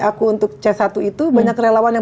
aku untuk c satu itu banyak relawan yang